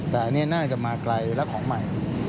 แต่อันนี้น่าจะมาไกลและของใหม่